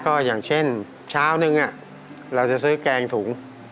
ก็อย่างเช่นเช้านึงเราจะซื้อแกงถุง